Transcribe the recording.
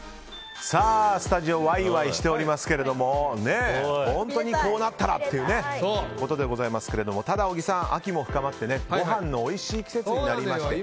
スタジオはわいわいしておりますけども本当にこうなったらっていうことでございますけどただ小木さん、秋も深まってご飯のおいしい季節になりまして。